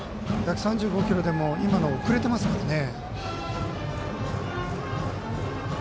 １３５キロでも今の遅れていますからね。